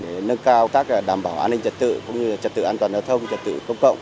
để nâng cao các đảm bảo an ninh trật tự cũng như trật tự an toàn giao thông trật tự công cộng